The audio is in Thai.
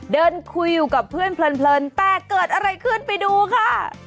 เดินคุยอยู่กับเพื่อนเพลินแต่เกิดอะไรขึ้นไปดูค่ะ